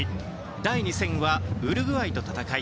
第２戦はウルグアイと戦い